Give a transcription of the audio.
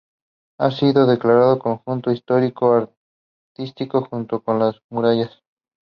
Ha sido declarado Conjunto Histórico-Artístico junto con las murallas.